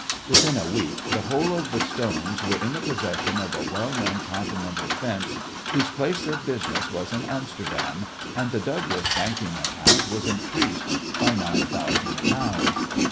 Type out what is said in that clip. Within a week the whole of the stones were in the possession of a well known Continental "fence," whose place of business was in Amsterdam, and the Douglas banking account was increased by nine thousand pounds.